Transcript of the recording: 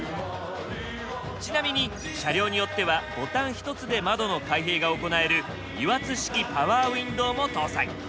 ちなみに車両によってはボタン一つで窓の開閉が行える油圧式パワーウインドウも搭載！